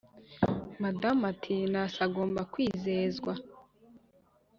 madamu ati"nasi agomba kwizezwa